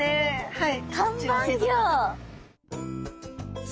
はい。